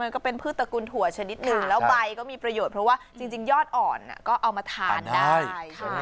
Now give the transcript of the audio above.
ก็เป็นพืชตระกุลถั่วชนิดหนึ่งแล้วใบก็มีประโยชน์เพราะว่าจริงยอดอ่อนก็เอามาทานได้